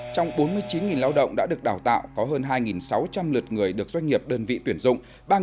trong bốn mươi chín lao động đã được đào tạo có hơn hai sáu trăm linh lượt người được doanh nghiệp đơn vị tuyển dụng